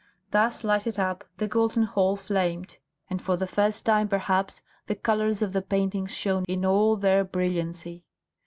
Thus lighted up, the Golden Hall flamed, and for the first time, perhaps, the colours of the paintings shone in all their brilliancy.